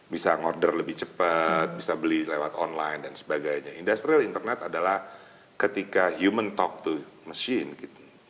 bisa ngorder lebih cepat bisa beli lewat online dan sebagainya industrial internet adalah ketika human talk to machine gitu